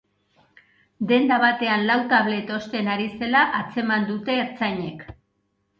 Denda batean lau tablet osten ari zela atzeman dute ertzainek.